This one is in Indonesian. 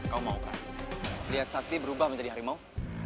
kau mau kan lihat sakti berubah menjadi harimau